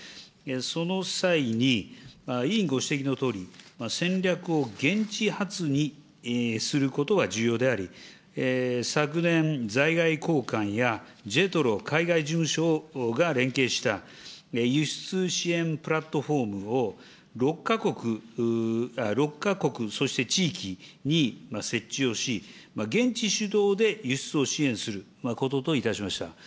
その際に委員ご指摘のとおり、戦略を現地発にすることは重要であり、昨年、在外公館やＪＥＴＲＯ海外事務所が連携した輸出支援プラットホームを６か国、そして地域に設置をし、現地主導で輸出を支援することといたしました。